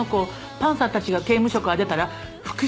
パンサーたちが刑務所から出たら復讐に来るんじゃない？